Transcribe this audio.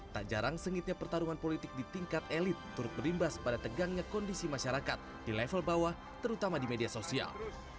tak jarang sengitnya pertarungan politik di tingkat elit turut berimbas pada tegangnya kondisi masyarakat di level bawah terutama di media sosial